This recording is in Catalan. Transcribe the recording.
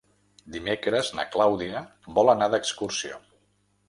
Dimecres na Clàudia vol anar d'excursió.